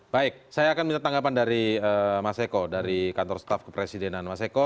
baik saya akan minta tanggapan dari mas eko dari kantor staf kepresidenan mas eko